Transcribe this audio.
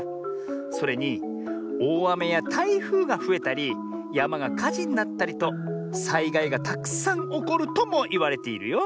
それにおおあめやたいふうがふえたりやまがかじになったりとさいがいがたくさんおこるともいわれているよ。